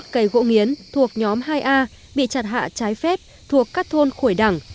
bốn mươi một cây gỗ nghiến thuộc nhóm hai a bị chặt hạ trái phép thuộc các thôn khủy đẳng